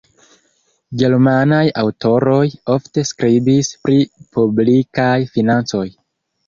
Germanaj aŭtoroj ofte skribis pri publikaj financoj.